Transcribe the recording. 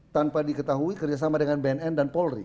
tanpa diketahui kerjasama dengan bnn dan polri